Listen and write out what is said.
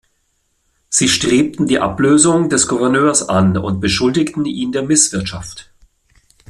Sie strebten die Ablösung des Gouverneurs an und beschuldigten ihn der Misswirtschaft.